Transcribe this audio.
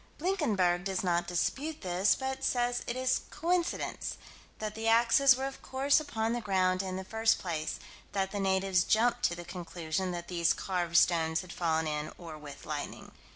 Blinkenberg does not dispute this, but says it is coincidence: that the axes were of course upon the ground in the first place: that the natives jumped to the conclusion that these carved stones had fallen in or with lightning.